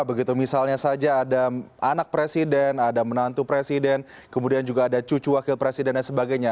begitu misalnya saja ada anak presiden ada menantu presiden kemudian juga ada cucu wakil presiden dan sebagainya